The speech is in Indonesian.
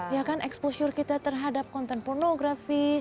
ya kan exposure kita terhadap konten pornografi